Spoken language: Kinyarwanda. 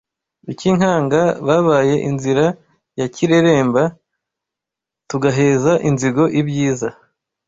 I Cyinkanga babaye inzira ya Kireremba, tugaheza inzigo i Byiza